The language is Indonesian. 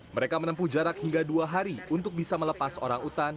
mereka menempuh jarak hingga dua hari untuk bisa melepas orang utan